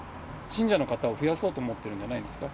信者の方を増やそうと思っているんじゃないですか。